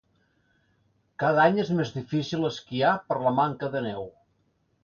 Cada any és més difícil esquiar per la manca de neu.